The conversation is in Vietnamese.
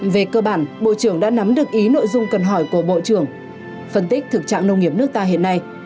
về cơ bản bộ trưởng đã nắm được ý nội dung cần hỏi của bộ trưởng phân tích thực trạng nông nghiệp nước ta hiện nay